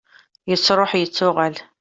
yettruḥ yettuɣal